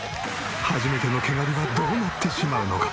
初めての毛刈りはどうなってしまうのか？